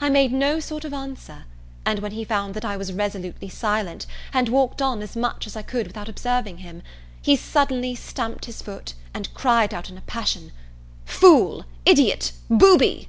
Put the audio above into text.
I made no sort of answer: and when he found that I was resolutely silent, and walked on as much as I could without observing him, he suddenly stamped his foot, and cried out in a passion, "Fool! idiot! booby!"